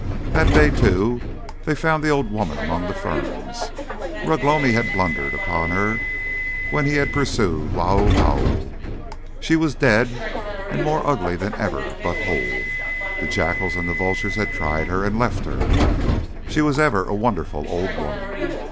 That day, too, they found the old woman among the ferns, where Ugh lomi had blundered upon her when he had pursued Wau Hau. She was dead and more ugly than ever, but whole. The jackals and vultures had tried her and left her; she was ever a wonderful old woman.